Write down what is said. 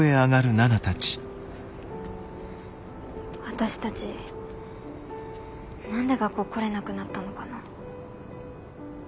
私たち何で学校来れなくなったのかな。